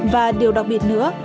và điều đặc biệt nữa